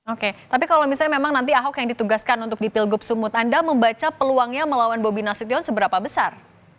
oke tapi kalau misalnya memang nanti ahok yang ditugaskan untuk di pilgub sumut anda membaca peluangnya melawan bobi nasution seberapa besar